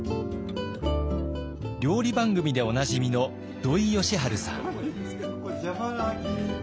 料理番組でおなじみの土井善晴さん。